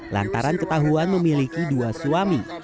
lantaran ketahuan memiliki dua suami